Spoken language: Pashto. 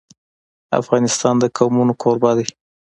افغانستان د قومونه کوربه دی.